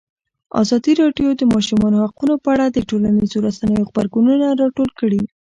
ازادي راډیو د د ماشومانو حقونه په اړه د ټولنیزو رسنیو غبرګونونه راټول کړي.